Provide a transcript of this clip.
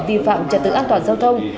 vi phạm trật tự an toàn giao thông